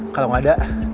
kalau gak ada